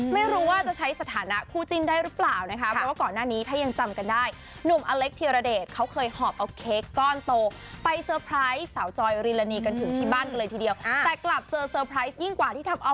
ไม่รู้ว่าจะใช้สถานะคู่จิ้นได้หรือเปล่านะคะ